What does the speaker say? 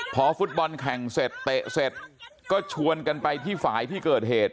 พอฟุตบอลแข่งเสร็จเตะเสร็จก็ชวนกันไปที่ฝ่ายที่เกิดเหตุ